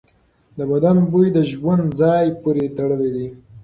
د بدن بوی د ژوند ځای پورې تړلی دی.